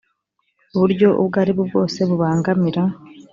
buryo ubwo aribwo bwose bubangamira